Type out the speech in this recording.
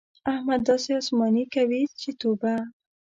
احمد داسې اسماني کوي چې توبه!